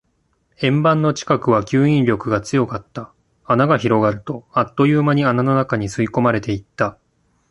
円盤の近くは吸引力が強かった。穴が広がると、あっという間に穴の中に吸い込まれていった。